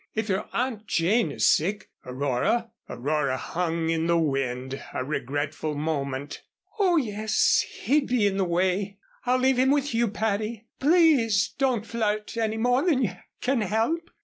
"If your aunt Jane is sick, Aurora " Aurora hung in the wind a regretful moment. "Oh, yes he'd be in the way. I'll leave him with you, Patty. Please don't flirt any more than you can help."